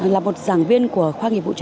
là một giảng viên của khoa nghiệp bộ trung tâm